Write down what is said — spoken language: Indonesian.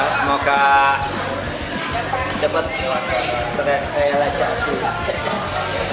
semoga cepat berrealisasi